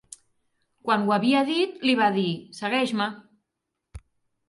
Quan ho havia dit, li va dir: segueix-me.